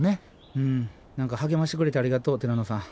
何か励ましてくれてありがとうティラノさん。